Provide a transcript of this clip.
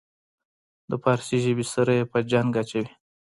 د پارسي ژبې سره یې په جنګ اچوي.